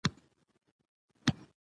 د نجونو تعلیم د عدالت ملاتړ کوي.